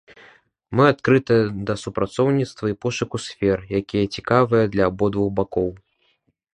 Мы адкрытыя да супрацоўніцтва і пошуку сфер, якія цікавыя для абодвух бакоў.